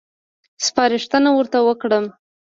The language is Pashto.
سپارښتنه ورته وکړم.